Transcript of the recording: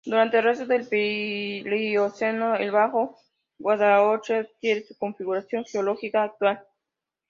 Durante el resto del Plioceno, el Bajo Guadalhorce adquiere su configuración geológica actual.